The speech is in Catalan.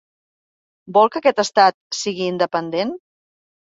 Vol que aquest estat sigui independent?